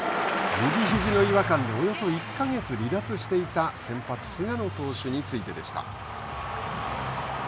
右ひじの違和感でおよそ１か月離脱していた先発菅野投手についてでした。